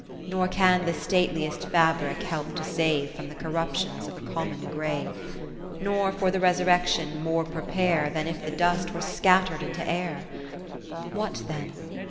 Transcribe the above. Nor can the stateliest fabric help to save From the corruptions of a common grave ; Nor for the Resurrection more prepare, Than if the dust were scatter'd into air. What then?